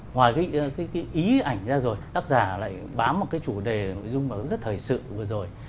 ngoài cái ý ảnh ra rồi tác giả lại bám một cái chủ đề nội dung rất là thời sự vừa rồi